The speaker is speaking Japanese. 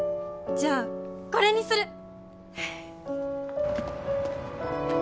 じゃあこれにする！